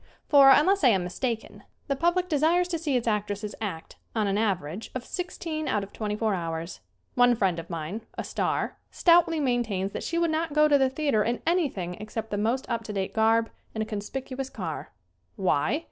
For, unless I am mistaken, the public desires to see its actresses act on an average of sixteen out of twenty four hours. One friend of mine, a star, stoutly maintains that she would not go to the theater in anything except the most up to date garb and a conspicuous car! Why?